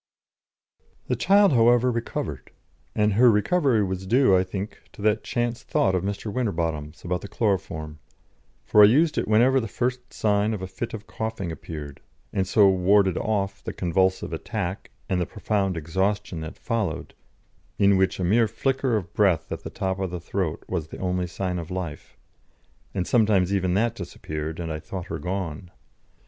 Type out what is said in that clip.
_ The child, however, recovered, and her recovery was due, I think, to that chance thought of Mr. Winterbotham's about the chloroform, for I used it whenever the first sign of a fit of coughing appeared, and so warded off the convulsive attack and the profound exhaustion that followed, in which a mere flicker of breath at the top of the throat was the only sign of life, and sometimes even that disappeared, and I thought her gone.